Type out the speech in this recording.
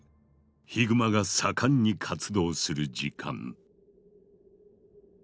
ヒグマが盛んに活動する時間。